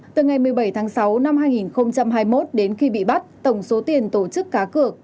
từ ngày một mươi bảy tháng sáu năm hai nghìn hai mươi một đến khi bị bắt tổng số tiền tổ chức cá cược